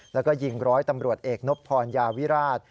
แล้วก็ยิงร้อยตำรวจเอกนบพรยาวิราช